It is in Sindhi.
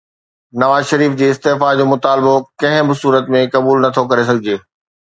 نواز شريف جي استعيفيٰ جو مطالبو ڪنهن به صورت ۾ قبول نه ٿو ڪري سگهجي.